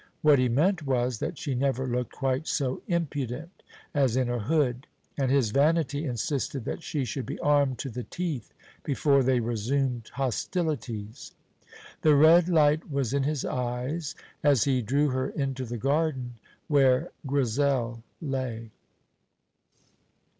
What he meant was that she never looked quite so impudent as in her hood, and his vanity insisted that she should be armed to the teeth before they resumed hostilities. The red light was in his eyes as he drew her into the garden where Grizel lay.